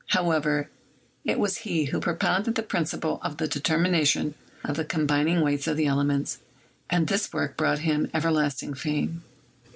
However, he it was who propounded the principle of the determination of the combining weights of the elements, and this work brought him everlasting fame.